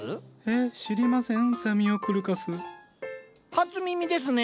初耳ですね。